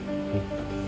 saya tersinggung soa